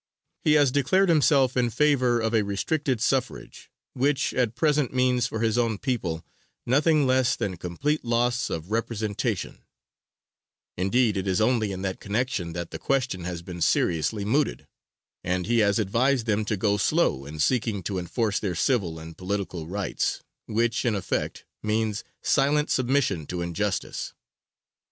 He has declared himself in favor of a restricted suffrage, which at present means, for his own people, nothing less than complete loss of representation indeed it is only in that connection that the question has been seriously mooted; and he has advised them to go slow in seeking to enforce their civil and political rights, which, in effect, means silent submission to injustice.